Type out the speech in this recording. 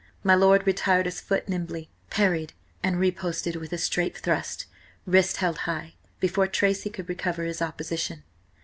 My lord retired his foot nimbly, parried, and riposted with a straight thrust, wrist held high, before Tracy could recover his opposition.